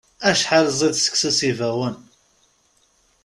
Acḥal ziḍ seksu s yibawen!